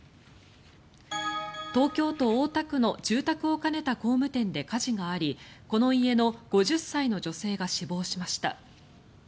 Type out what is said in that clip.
東京都大田区の住宅を兼ねた工務店で火事がありこの家の５０歳の女性が死亡しました。